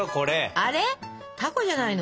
あれたこじゃないの？